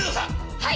はい！